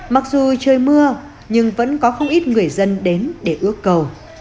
mặc dù trời mưa nhưng vẫn có không ít người dân đến để ước cầu